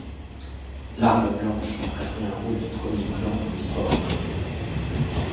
L’arme blanche a joué un rôle de premier plan dans l’histoire du monde.